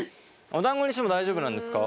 おだんごにしても大丈夫なんですか？